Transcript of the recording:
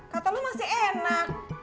kata lu masih enak